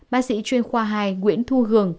bác sĩ chuyên khoa hai nguyễn thu hường